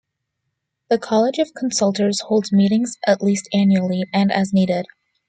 The College of Consultors holds meetings at least annually, and as needed.